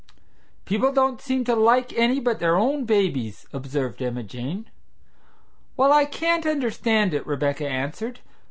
"People don't seem to like any but their own babies," observed Emma Jane. "Well, I can't understand it," Rebecca answered.